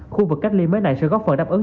khu vực cách ly mới này sẽ góp phần đáp ứng